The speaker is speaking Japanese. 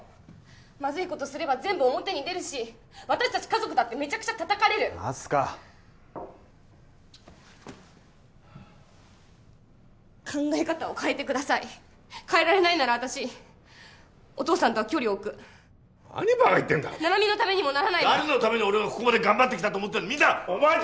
まずいことすれば全部表に出るし私達家族だってメチャクチャ叩かれる・明日香考え方を変えてください変えられないなら私お父さんとは距離を置く何バカ言ってんだ七海のためにもならないの誰のために俺がここまで頑張ったと思ってるお前達